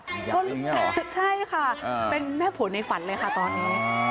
อีกอย่างเองใช่หรอใช่ค่ะเป็นแม่ผู้ในฝันเลยค่ะตอนนี้